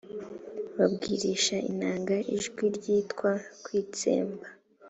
babwirisha inanga ijwi ryitwa witsemba